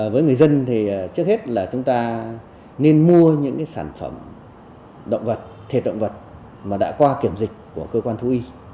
với người dân thì trước hết là chúng ta nên mua những sản phẩm động vật thể động vật mà đã qua kiểm dịch của cơ quan thú y